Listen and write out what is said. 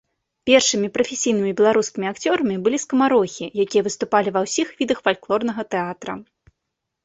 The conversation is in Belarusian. Першымі прафесійнымі беларускімі акцёрамі былі скамарохі, якія выступалі ва ўсіх відах фальклорнага тэатра.